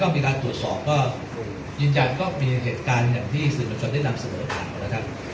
ก็มีการตรวจสอบก็ยืนยานก็มีเหตุการณ์ที่ศพที่ในนำศพเจ็คถามแล้วครับ